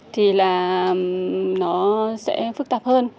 thì là nó sẽ phức tạp hơn